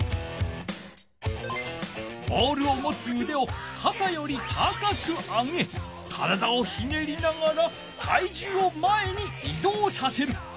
ボールをもつうでをかたより高く上げ体をひねりながら体じゅうを前にいどうさせる。